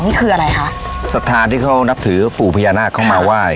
นี่คืออะไรคะสถานที่เขานับถือปู่พญานาคเข้ามาไหว้